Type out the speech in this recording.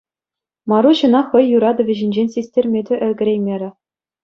Маруҫ ӑна хӑй юратӑвӗ ҫинчен систерме те ӗлкӗреймерӗ.